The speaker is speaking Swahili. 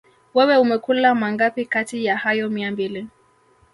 Wewe umekula mangapi kati ya hayo mia mbili